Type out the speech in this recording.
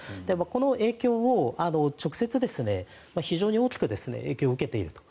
この影響を直接、非常に大きく影響を受けていると。